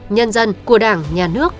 nhân dân của đảng nhà nước